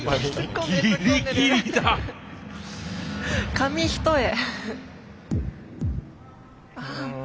紙一重。